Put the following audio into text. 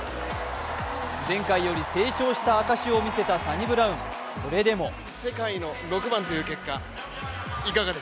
前回より成長した証を見せたサニブラウン、それでも菊池）